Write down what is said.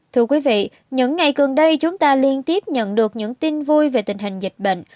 thưa quý vị những ngày gần đây chúng ta liên tiếp nhận được những tin vui về tình hình dịch bệnh